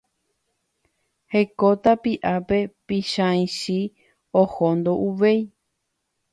Heko tapiápe Pychãichi oho ndouvéi.